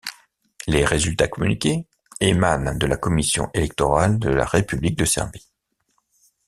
Les résultats communiqués émanent de la Commission électorale de la République de Serbie.